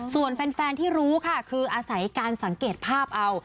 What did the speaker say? ส่วนแฟนที่รู้ค่ะคืออาศัยการสังเกตภาพเอา